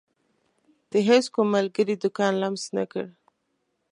د هيڅ کوم ملګري دکان لمس نه کړ.